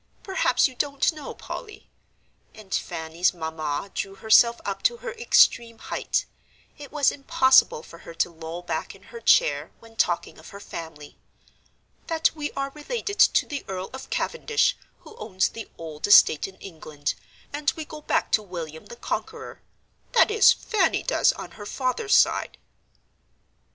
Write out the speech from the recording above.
Perhaps you don't know, Polly," and Fanny's mamma drew herself up to her extreme height; it was impossible for her to loll back in her chair when talking of her family, "that we are related to the Earl of Cavendish who owns the old estate in England, and we go back to William the Conqueror; that is, Fanny does on her father's side."